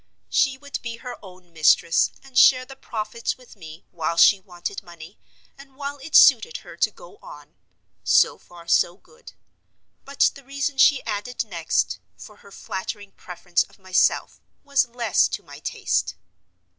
She would be her own mistress, and share the profits with me, while she wanted money, and while it suited her to go on. So far so good. But the reason she added next, for her flattering preference of myself, was less to my taste.